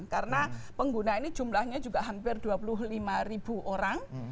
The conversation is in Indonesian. karena pengguna ini jumlahnya juga hampir dua puluh lima ribu orang